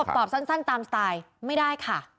ตอบสั้นตามสไตล์ไม่ได้ค่ะ